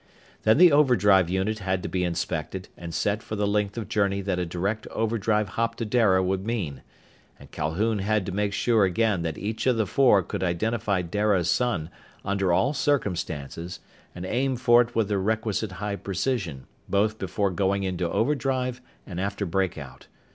Then the overdrive unit had to be inspected and set for the length of journey that a direct overdrive hop to Dara would mean, and Calhoun had to make sure again that each of the four could identify Dara's sun under all circumstances and aim for it with the requisite high precision, both before going into overdrive and after breakout.